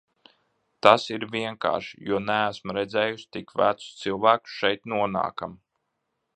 Tas ir vienkārši, jo neesmu redzējusi tik vecus cilvēkus šeit nonākam.